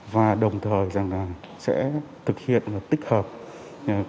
và đồng thời thực hiện những dịch vụ cấp ba mức ba mức bốn